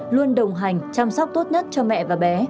luôn đồng hành chăm sóc tốt nhất cho mẹ và bé